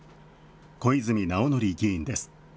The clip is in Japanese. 古泉直紀議員です。